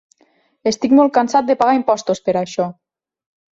Estic molt cansat de pagar impostos per això!!!!